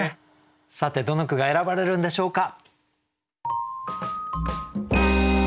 さてどの句が選ばれるんでしょうか。